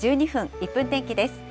１分天気です。